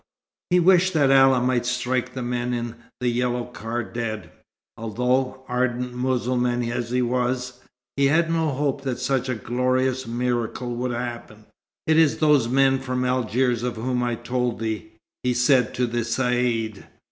He wished that Allah might strike the men in the yellow car dead; although, ardent Mussulman as he was, he had no hope that such a glorious miracle would happen. "It is those men from Algiers of whom I told thee," he said to the Caïd.